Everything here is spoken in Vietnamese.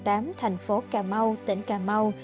tp hcm tỉnh cà mau